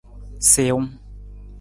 Siwung.